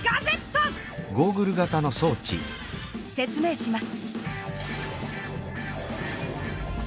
説明します。